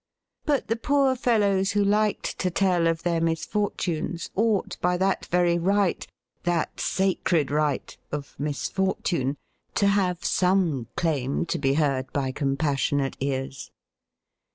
But the poor fellows who liked to tell of their misfor tunes ought by that very right, that sacred right, of misfortune, to have some claim to be heard by com 126 THE RIDDLE RING passionate ears.